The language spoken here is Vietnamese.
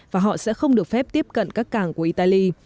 và họ sẽ không được phép tiếp cận các cảng của italy